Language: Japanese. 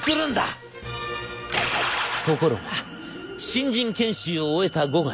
ところが新人研修を終えた５月。